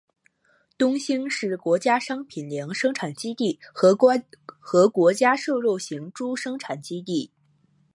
东兴是国家商品粮生产基地和国家瘦肉型猪生产基地。